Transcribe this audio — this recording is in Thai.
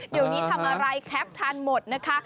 เดี๋ยวนี้ทำอะไรแคปทานหมดนะคะ